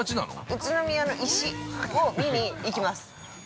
◆宇都宮の石を見に行きます。